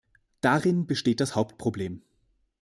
Darin besteht das Hauptproblem.